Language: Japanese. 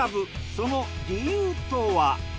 その理由とは？